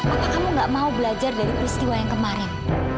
apa kamu gak mau belajar dari peristiwa yang kemarin